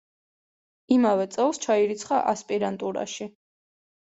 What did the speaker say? იმავე წელს ჩაირიცხა ასპირანტურაში.